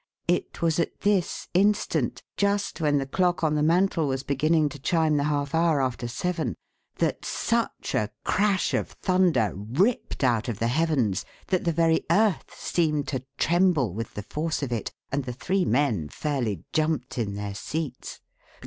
It was at this instant, just when the clock on the mantel was beginning to chime the half hour after seven, that such a crash of thunder ripped out of the heavens that the very earth seemed to tremble with the force of it, and the three men fairly jumped in their seats.